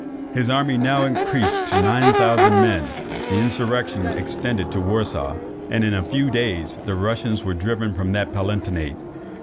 His army now increased to nine thousand men, the insurrection extended to Warsaw, and in a few days the Russians were driven from that palatinate.